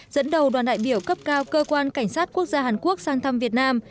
dẫn đầu đoàn đại biểu cấp cao cơ quan cảnh sát quốc gia hàn quốc sang thăm việt nam